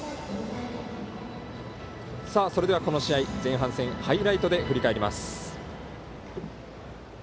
それではこの試合、前半戦ハイライトで振り返ります。